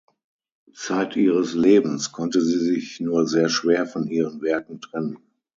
Zeit ihres Lebens konnte sie sich nur sehr schwer von ihren Werken trennen.